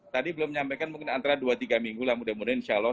tadi belum menyampaikan mungkin antara dua tiga minggu lah mudah mudahan insya allah